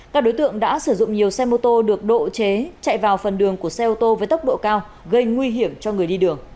các đối tượng đã sử dụng nhiều xe mô tô được độ chế chạy vào phần đường của xe ô tô với tốc độ cao gây nguy hiểm cho người đi đường